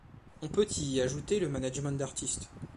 On peut y ajouter le management d'artistes.